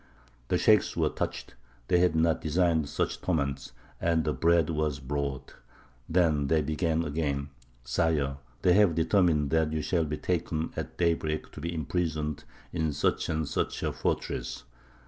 The sheykhs were touched they had not designed such torments and the bread was brought. Then they began again: "Sire, they have determined that you shall be taken at daybreak to be imprisoned in such and such a fortress."